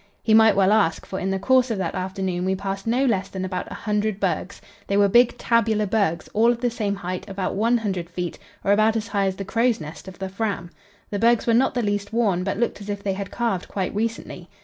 He might well ask, for in the course of that afternoon we passed no less than about a hundred bergs. They were big tabular bergs, all of the same height, about 100 feet, or about as high as the crow's nest of the Fram. The bergs were not the least worn, but looked as if they had calved quite recently.